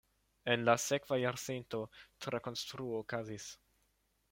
En la sekva jarcento trakonstruo okazis.